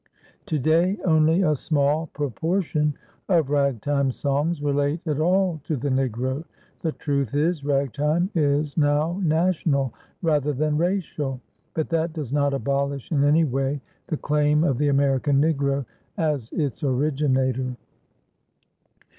To day, only a small proportion of Ragtime songs relate at all to the Negro. The truth is, Ragtime is now national rather than racial. But that does not abolish in any way the claim of the American Negro as its originator.